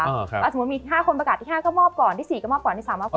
เอาสมมุติมีที่ห้าคนประกาศที่ห้าก็มอบก่อนที่สี่ก็มอบก่อนที่สามก็มอบก่อน